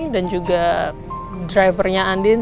dan juga drivernya andin